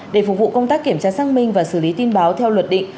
để phục vụ công tác kiểm tra xác minh và xử lý tin báo theo luật định